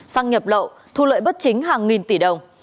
sang nhập lậu thu lợi bất chính hàng nghìn tỷ đồng